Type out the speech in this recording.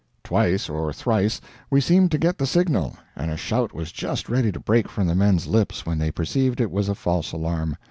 Twice or thrice we seemed to get the signal, and a shout was just ready to break from the men's lips when they perceived it was a false alarm.